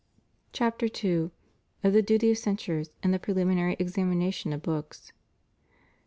CHAPTER II. Of the Duty of Censors in the Preliminary Examination of Books.